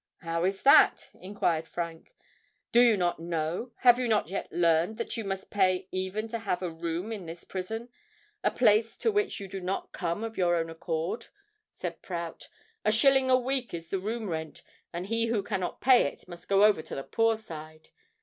"How is that?" enquired Frank. "Do you not know—have you not yet learned that you must pay even to have a room in this prison—a place to which you do not come of your own accord?" said Prout. "A shilling a week is the room rent; and he who cannot pay it, must go over to the Poor Side.